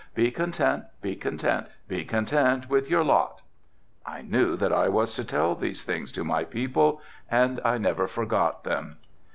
"Be content, be content, be content with your lot." "I knew that I was to tell these things to my people and I never forgot them."